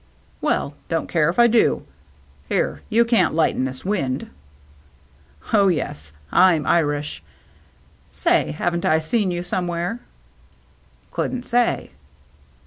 " Well, don't care 'f I do. Here, you can't light in this wind." " Oh, yes, I'm Irish. Say, haven't I seen you somewhere ?"" Couldn't say."